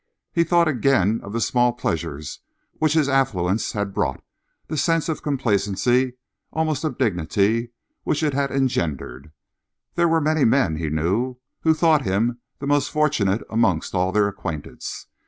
He thought again of the small pleasures which his affluence had brought, the sense of complacency, almost of dignity, which it had engendered. There were many men, he knew, who thought him the most fortunate amongst all their acquaintance.